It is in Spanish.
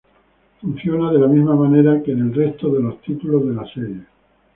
Funciona de la misma manera que en el resto de títulos de la serie.